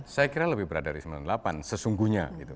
saya kira lebih berat dari sembilan puluh delapan sesungguhnya